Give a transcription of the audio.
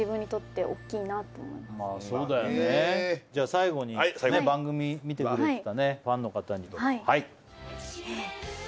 最後に番組見てくれてたファンの方に。